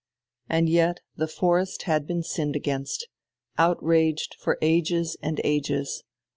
And yet the forest had been sinned against, outraged for ages and ages.